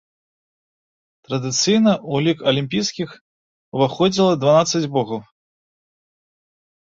Традыцыйна ў лік алімпійскіх уваходзіла дванаццаць богаў.